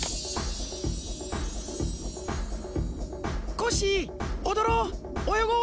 コッシーおどろうおよごう！